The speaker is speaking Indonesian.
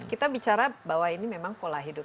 kita bicara bahwa ini memang pola hidup